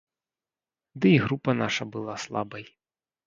Ды і група наша была слабай.